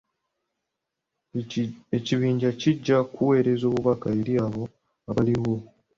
Ekibinja kijja kuweereza obubaka eri abo abaliwo.